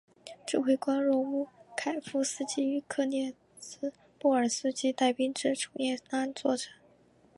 指挥官若乌凯夫斯基与科涅茨波尔斯基带兵至楚措拉作战。